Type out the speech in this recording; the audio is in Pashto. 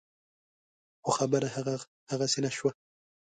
خو خبره هغسې نه شوه.